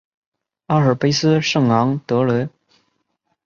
阿尔卑斯圣昂德雷。